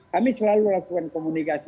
kami selalu lakukan komunikasi